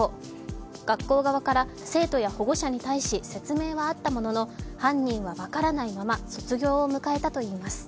学校側から生徒や保護者に対し説明はあったものの犯人は分からないまま卒業を迎えたといいます。